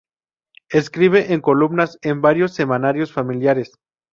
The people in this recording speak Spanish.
Escribe en columnas en varios semanarios familiares.